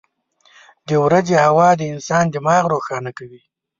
• د ورځې هوا د انسان دماغ روښانه کوي.